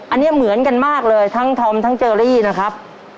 อันนี้เหมือนกันมากเลยทั้งธอมทั้งเจอรี่นะครับ